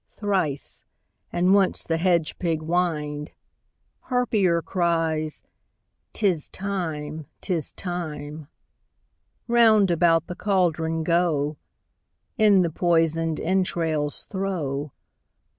Thrice, and once the hedge pig whin'd. THIRD WITCH. Harpier cries:—'Tis time, 'tis time. FIRST WITCH. Round about the cauldron go; In the poison'd entrails throw.